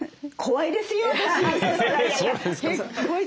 怖いですよ私。